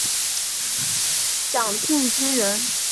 蒋庆均人。